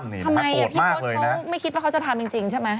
ทำไมพี่มดเขาไม่คิดว่าเขาจะทำจริงใช่ไหม